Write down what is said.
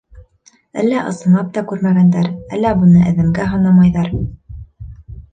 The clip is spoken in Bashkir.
Әллә ысынлап та күрмәгәндәр, әллә быны әҙәмгә һанамайҙар.